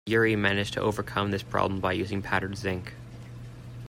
Urry managed to overcome this problem by using powdered zinc.